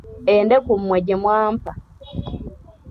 Endeku mmwe gye mwampa!